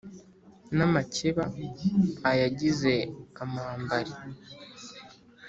n'amakeba ayagize amambari.